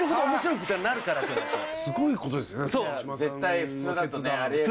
すごいことですよね。